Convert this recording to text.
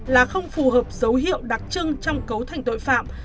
là không phù hợp dấu hiệu đặc trưng trong cấu thành tội phạm